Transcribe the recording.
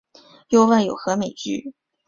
又问有何美句？